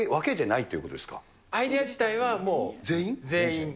いっアイデア自体はもう、全員。